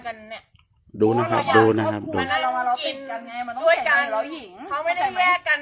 แต่ทางหญิงเองก็ผิดกับเราเพราะพี่ว่าไม่มีเสียงดัง